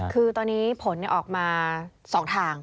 คือตอนนี้ผลออกมา๒ทาง